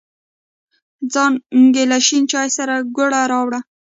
څانگې له شین چای سره گوړه راوړې.